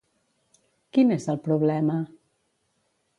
Quin és el problema?